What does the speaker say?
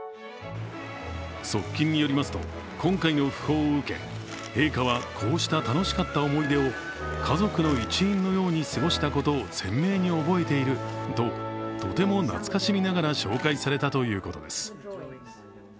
側近によりますと、今回の訃報を受け陛下は、こうした楽しかった思い出を家族の一員のように過ごしたことを鮮明に覚えているととても懐かしみながら紹介されたということです。